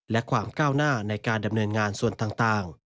และความก้าวหน้าในการดำเนินงานส่วนต่าง